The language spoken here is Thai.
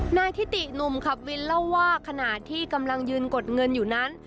นายทิติหนุ่มขับวินเล่าว่าขณะที่กำลังยืนกดเงินอยู่นั้น